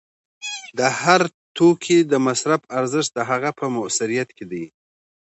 د هر توکي د مصرف ارزښت د هغه په موثریت کې دی